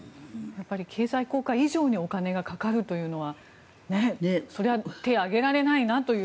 やはり経済効果以上にお金がかかるというのはそれは手を挙げられないなという。